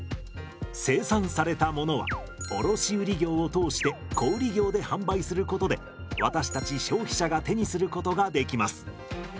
生産されたものは卸売業を通して小売業で販売することで私たち消費者が手にすることができます。